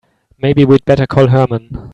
Maybe we'd better call Herman.